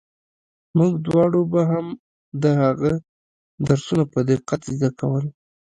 موږ دواړو به هم د هغه درسونه په دقت زده کول.